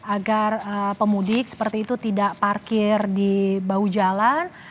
agar pemudik seperti itu tidak parkir di bahu jalan